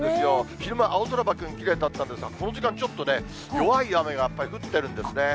昼間、青空がバックにきれいだったんですが、この時間、ちょっとね、弱い雨が、やっぱり降ってるんですね。